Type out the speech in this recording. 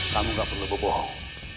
kamu gak perlu bohong